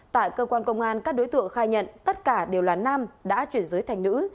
tại cơ quan công an các đối tượng khai nhận tất cả đều là nam đã chuyển giới thành nữ